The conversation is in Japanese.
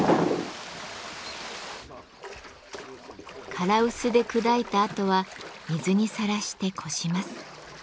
唐臼で砕いたあとは水にさらして濾します。